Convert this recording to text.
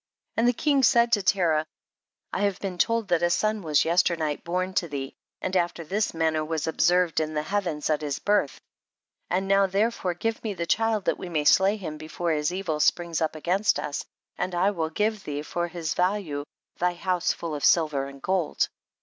15. And the king said to Terah, I have been told that a son was yes ternight born to thee, and after this manner was observed in the heavens at his birth. 16. And now therefore give me the child, that we may slay him be fore his evil springs up against us, and I will give thee for his value, thy house full of silver and gold.